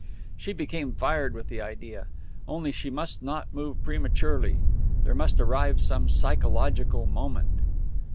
She became fired with the idea. Only she must not move prematurely; there must arrive some psychological moment.